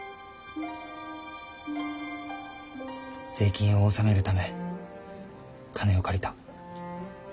税金を納めるため金を借りた。